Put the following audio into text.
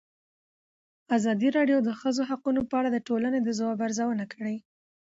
ازادي راډیو د د ښځو حقونه په اړه د ټولنې د ځواب ارزونه کړې.